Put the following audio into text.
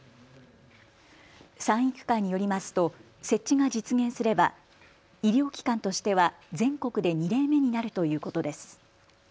賛育会によりますと設置が実現すれば医療機関としては全国で２例目になるということです。